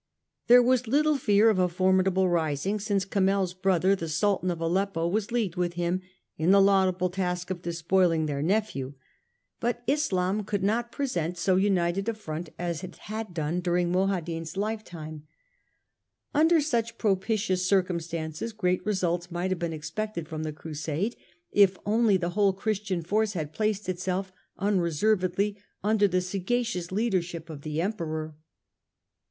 There was little fear of a formidable rising, since Kamel's brother, the Sultan of Aleppo, was leagued with him in the laudable task of despoil ing their nephew ; but Islam could not present so 92 STUPOR MUNDI united a front as it had done during Moadhin's life time. Under such propitious circumstances great results might have been expected from the Crusade if only the whole Christian force had placed itself unreservedly under the sagacious leadership of the Emperor.